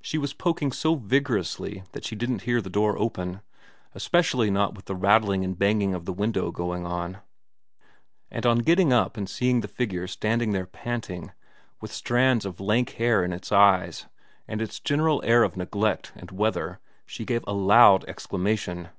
She was poking so vigorously that she didn't hear the door open, especially not with that rattling and banging of the window going on ; and on getting up and seeing the figure standing there pant ing, with strands of lank hair in its eyes and its general air of neglect and weather, she gave a loud exclamation.